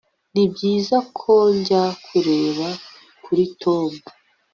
Nibyiza ko njya kureba kuri Tom